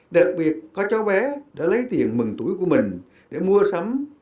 đặc biệt có cháu bé đã lấy tiền mừng tuổi của mình để mua sắm